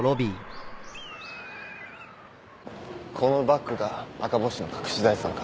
このバッグが赤星の隠し財産か。